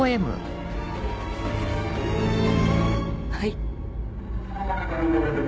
はい。